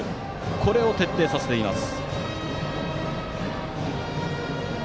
これを徹底させています。